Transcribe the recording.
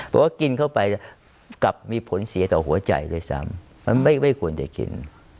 เพราะว่ากินเข้าไปกลับมีผลเสียต่อหัวใจด้วยซ้ำมันไม่ควรจะกิน